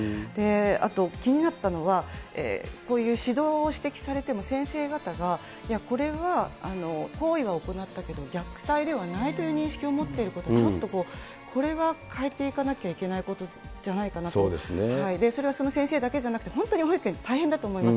あと気になったのは、こういう指導を指摘されても、先生方がいや、これは行為は行ったけど虐待ではないという認識を持っていること、ちょっと、これは変えていかなきゃいけないことじゃないかなと、それはその先生だけじゃなくて、本当に保育園って大変だと思います。